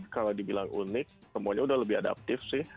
kalau dibilang unik semuanya udah lebih adaptif sih